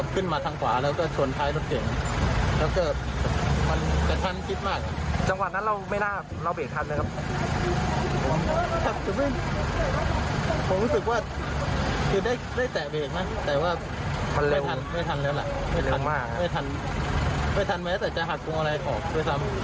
คุณอะไรขอช่วยซ้ำมานิดนึงเร็ว